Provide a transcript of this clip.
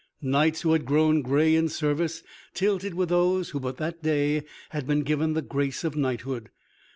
Knights who had grown gray in service tilted with those who but that day had been given the grace of knighthood.